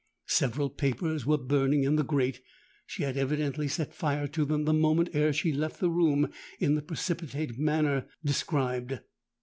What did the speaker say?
Several papers were burning in the grate: she had evidently set fire to them the moment ere she left the room in the precipitate manner described.